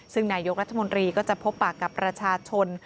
ซึ่งนายกรัฐมนตรีก็จะพบปากกับประชาชน